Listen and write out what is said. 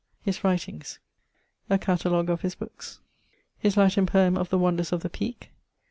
<_His writings._> A Catalogue of his bookes. His Latine poem of the wonders of the Peake.